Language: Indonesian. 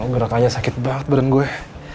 gerakannya sakit banget bareng gue